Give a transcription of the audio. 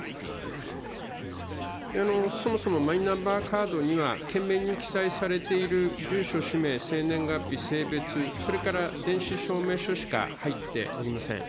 そもそもマイナンバーカードには、券面に記載されている住所、氏名、生年月日、性別、それから電子証明書しか入っておりません。